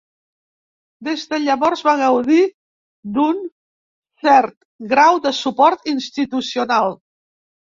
Des de llavors va gaudir d'un cert grau de suport institucional.